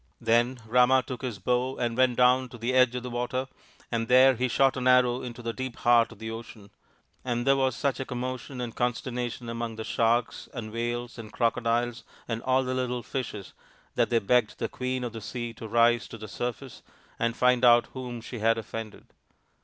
Then Rama took his bow and went down to the edge of the water, and there he shot an arrow into the deep heart of the ocean ; and there was such a commotion and consternation among the sharks, and RAMA'S QUEST 39 whales, and crocodiles, and all the little fishes that they begged the Queen of the Sea to rise to the surface and find out whom she had offended.